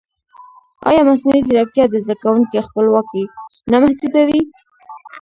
ایا مصنوعي ځیرکتیا د زده کوونکي خپلواکي نه محدودوي؟